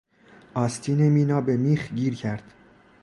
آستین مینا به میخ گیر کرد.